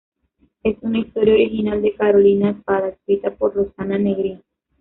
Es una historia original de Carolina Espada, escrita por Rossana Negrín.